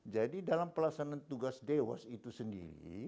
jadi dalam pelaksanaan tugas dewa itu sendiri